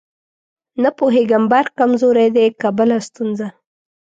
نه پوهېږم برق کمزورې دی که بله ستونزه.